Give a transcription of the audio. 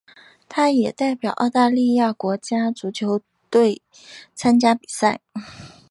他也代表澳大利亚国家足球队参加比赛。